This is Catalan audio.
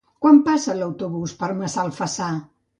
Quan passa l'autobús per Massalfassar?